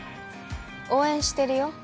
応援してるよ